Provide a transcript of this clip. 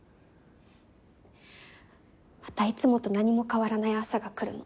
またいつもと何も変わらない朝が来るの。